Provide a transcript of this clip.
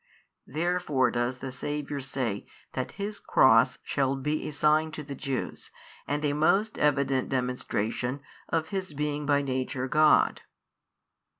therefore does the Saviour say that His Cross shall be a sign to the Jews and a most evident demonstration of His being by Nature God.